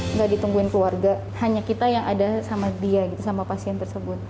nggak ditungguin keluarga hanya kita yang ada sama dia gitu sama pasien tersebut